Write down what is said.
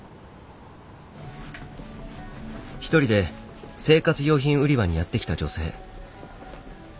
一人で生活用品売り場にやって来た女性。